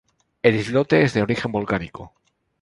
El islote es de origen volcánico.